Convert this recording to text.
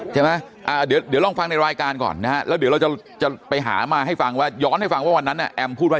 แต่ลองฟังในรายการก่อนนะครับแล้วเดี๋ยวเราจะไปหามาให้ฟังว่าย้อมให้ฟังว่าวันนั้นเนี่ย